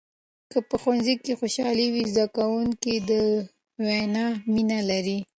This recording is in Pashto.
که په ښوونځي کې خوشحالي وي، زده کوونکي د ویناوو مینه لري.